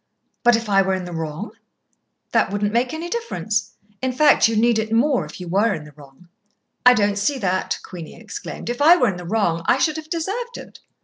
"But if I were in the wrong?" "That wouldn't make any difference. In fact, you'd need it more if you were in the wrong." "I don't see that!" Queenie exclaimed. "If I were in the wrong I should have deserved it."